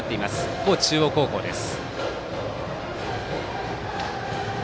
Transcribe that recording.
高知中央高校です。